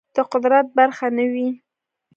د قدرت برخه نه وي